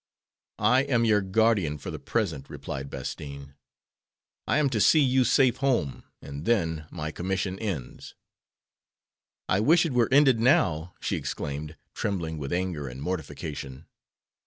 "I am your guardian for the present," replied Bastine. "I am to see you safe home, and then my commission ends." "I wish it were ended now," she exclaimed, trembling with anger and mortification.